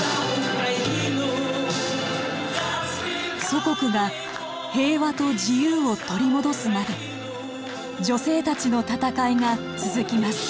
祖国が平和と自由を取り戻すまで女性たちの闘いが続きます。